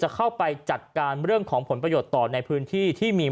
เข้าไปจัดการเรื่องของผลประโยชน์ต่อในพื้นที่ที่มี